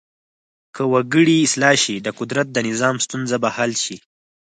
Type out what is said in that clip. که وګړي اصلاح شي د قدرت د نظام ستونزه به حل شي.